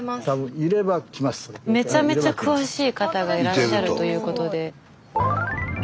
スタジオめちゃめちゃ詳しい方がいらっしゃるということで。